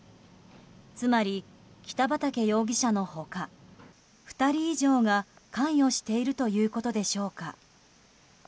つまり、北畠容疑者の他２人以上が関与しているということでしょうか。